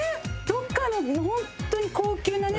どこかの本当に。